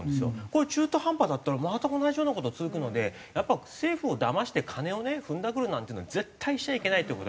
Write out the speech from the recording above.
こういう中途半端だったらまた同じような事続くのでやっぱ政府をだまして金をねふんだくるなんていうのは絶対しちゃいけないという事。